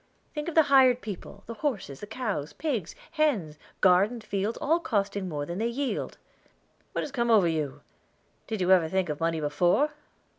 "Think of the hired people the horses, the cows, pigs, hens, garden, fields all costing more than they yield." "What has come over you? Did you ever think of money before?